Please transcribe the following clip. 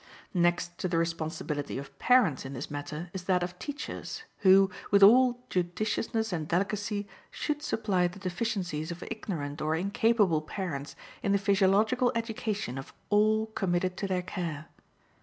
Next to the responsibility of parents in this matter is that of teachers, who, with all judiciousness and delicacy, should supply the deficiencies of ignorant or incapable parents in the physiological education of all committed to their care.